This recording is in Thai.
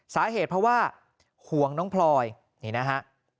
สาเหตุเพราะว่าห่วงน้องพลอยนี่นะฮะ